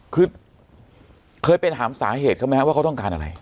คือเคยไปถามสาเหตุเขาไหมครับว่าเขาต้องการอะไร